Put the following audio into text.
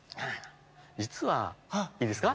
実はいいですか？